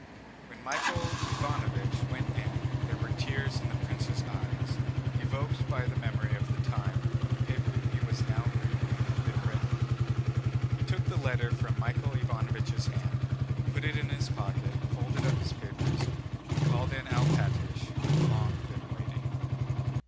When Michael Ivánovich went in there were tears in the prince's eyes evoked by the memory of the time when the paper he was now reading had been written. He took the letter from Michael Ivánovich's hand, put it in his pocket, folded up his papers, and called in Alpátych who had long been waiting.